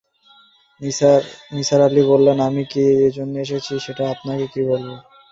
নিসার আলি বললেন, আমি কি জন্যে এসেছি সেটা কি আপনাকে বলব?